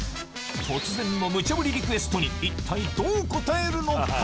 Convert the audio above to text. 突然のムチャぶりリクエストに一体どうこたえるのか？